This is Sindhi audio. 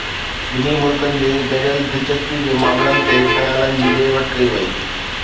ٻنهي ملڪن جي گڏيل دلچسپي جي معاملن تي خيالن جي ڏي وٺ ڪئي وئي